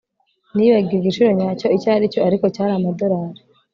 Nibagiwe igiciro nyacyo icyo aricyo ariko cyari amadorari